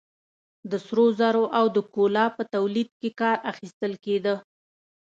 د سرو زرو او د کولا په تولید کې کار اخیستل کېده.